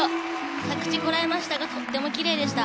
着地こらえましたがとてもきれいでした。